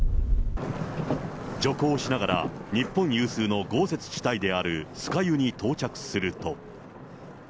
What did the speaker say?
徐行しながら、日本有数の豪雪地帯である酸ヶ湯に到着すると。